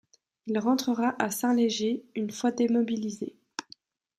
Il rentrera à Saint-Léger une fois démobilisé.